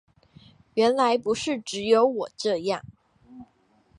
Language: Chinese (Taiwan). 原來不是只有我這樣